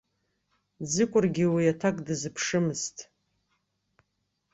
Ӡыкәыргьы уи аҭак дазыԥшымызт.